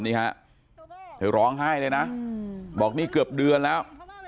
นี่ฮะเธอร้องไห้เลยนะบอกนี่เกือบเดือนแล้ว